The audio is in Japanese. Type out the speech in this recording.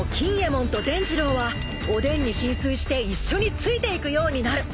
もんと傳ジローはおでんに心酔して一緒についていくようになる］